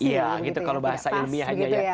iya gitu kalau bahasa ilmiah